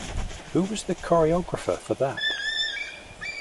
Who was the choreographer for that?